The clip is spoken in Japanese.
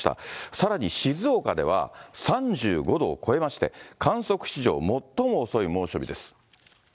さらに静岡では、３５度を超えまして、観測史上最も遅い猛暑日です。